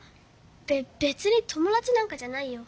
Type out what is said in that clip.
べべつに友だちなんかじゃないよ。